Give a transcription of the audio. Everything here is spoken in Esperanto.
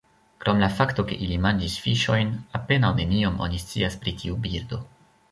Krom la fakto ke ili manĝis fiŝojn, apenaŭ neniom oni scias pri tiu birdo.